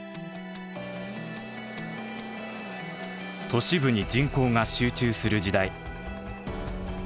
都市部に人口が集中する時代